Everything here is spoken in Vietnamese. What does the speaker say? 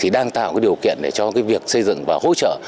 đang tạo điều kiện để cho việc xây dựng và hỗ trợ